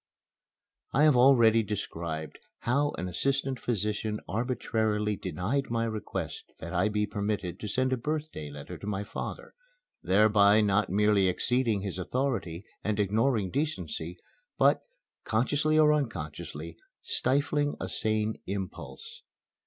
I have already described how an assistant physician arbitrarily denied my request that I be permitted to send a birthday letter to my father, thereby not merely exceeding his authority and ignoring decency, but, consciously or unconsciously, stifling a sane impulse.